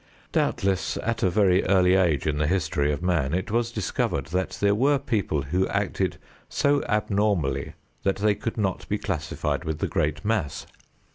Doubtless at a very early age in the history of man it was discovered that there were people who acted so abnormally that they could not be classified with the great mass.